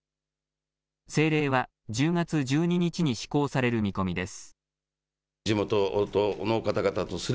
政令は１０月１２日に施行される見込みです。